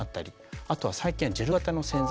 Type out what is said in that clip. あとは最近はジェル型の洗剤。